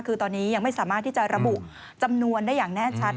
คือตอนนี้ยังไม่สามารถที่จะระบุจำนวนได้อย่างแน่ชัด